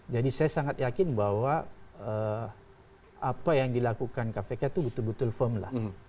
jadi saya sangat yakin bahwa apa yang dilakukan kpk itu betul betul firm lah